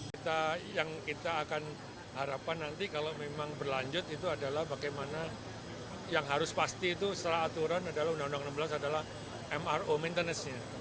kita yang kita akan harapkan nanti kalau memang berlanjut itu adalah bagaimana yang harus pasti itu setelah aturan adalah undang undang enam belas adalah mro maintenance nya